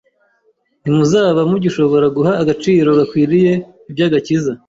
ntimuzaba mugishobora guha agaciro gakwiriye iby’agakiza